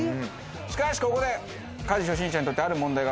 しかしここで家事初心者にとってある問題が。